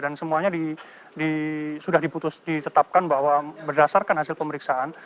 dan semuanya sudah diputuskan ditetapkan bahwa berdasarkan hasil pemeriksaan